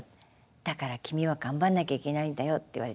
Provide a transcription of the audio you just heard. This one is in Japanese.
だから君は頑張んなきゃいけないんだよ」って言われて。